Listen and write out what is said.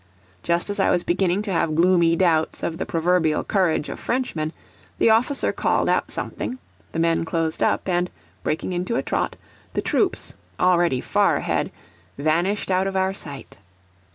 Just as I was beginning to have gloomy doubts of the proverbial courage of Frenchmen, the officer called out something, the men closed up, and, breaking into a trot, the troops already far ahead vanished out of our sight.